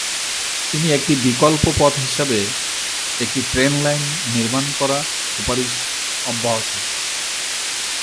তিনি একটি বিকল্প পথ হিসাবে একটি ট্রেন লাইন নির্মাণ করা সুপারিশ অব্যাহত।